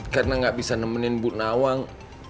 karena gak bisa nemenin bu nawang